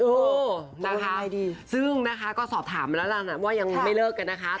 เออนะคะซึ่งนะคะก็สอบถามมาแล้วล่ะว่ายังไม่เลิกกันนะคะ